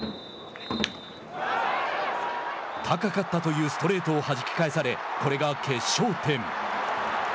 高かったというストレートをはじき返されこれが決勝点。